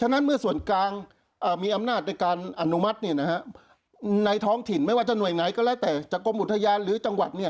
นั้นเมื่อส่วนกลางมีอำนาจในการอนุมัติในท้องถิ่นไม่ว่าจะหน่วยไหนก็แล้วแต่จากกรมอุทยานหรือจังหวัด